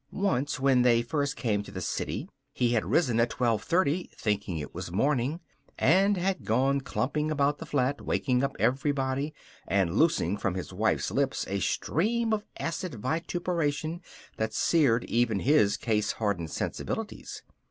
Once, when they first came to the city, he had risen at twelve thirty, thinking it was morning, and had gone clumping about the flat, waking up everyone and loosing from his wife's lips a stream of acid vituperation that seared even his case hardened sensibilities.